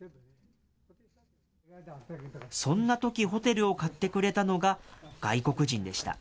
そんなとき、ホテルを買ってくれたのが外国人でした。